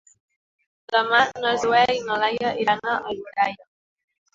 Demà na Zoè i na Laia iran a Alboraia.